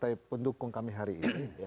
dari sepuluh partai pendukung kami hari ini